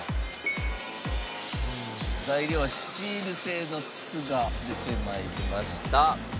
材料スチール製の筒が出て参りました。